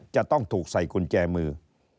จะต้องถูกใส่กุญแจมือ